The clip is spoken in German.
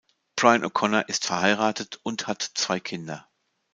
Bryan O'Connor ist verheiratet und hat zwei Kinder.